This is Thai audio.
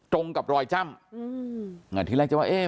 ตรงกับรอยจ้ำอืมอ่าทีแรกจะว่าเอ๊ะ